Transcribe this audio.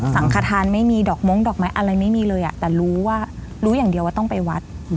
สังขทานไม่มีดอกม้งดอกไม้อะไรไม่มีเลยแต่รู้ว่ารู้อย่างเดียวว่าต้องไปวัด